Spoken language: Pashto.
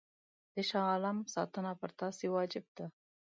د شاه عالم ساتنه پر تاسي واجب ده.